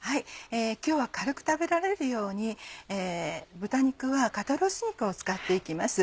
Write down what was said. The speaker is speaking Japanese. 今日は軽く食べられるように豚肉は肩ロース肉を使って行きます。